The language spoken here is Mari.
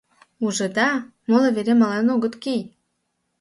Ужыда, моло вере мален огыт кий.